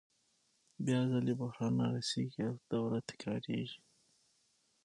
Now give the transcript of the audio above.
بیا ځلي بحران رارسېږي او دوره تکرارېږي